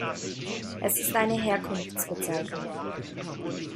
Es ist eine Herkunftsbezeichnung.